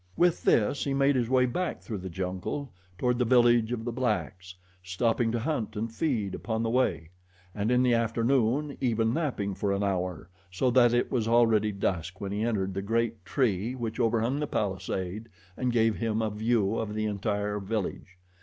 With this he made his way back through the jungle toward the village of the blacks, stopping to hunt and feed upon the way, and, in the afternoon, even napping for an hour, so that it was already dusk when he entered the great tree which overhung the palisade and gave him a view of the entire village.